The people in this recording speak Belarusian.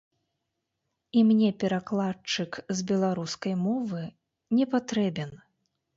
І мне перакладчык з беларускай мовы не патрэбен.